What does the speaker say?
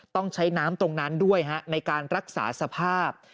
ต้องใช้น้ำตรงนั้นด้วยในการรักษาสภาพ